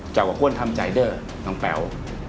เราก็ควรทำใจเด้อน้องแป๋ว